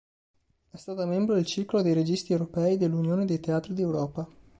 È stata membro del "Circolo dei Registi Europei" dell'Unione dei Teatri d'Europa.